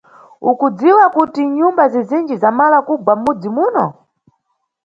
Ukudziwa kuti nyumba zizinji zamala kugwa mʼmudzi muno?